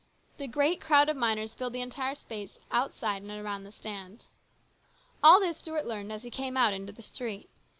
The great crowd of miners filled the entire space outside and around the stand. All this Stuart learned as he came out into the street.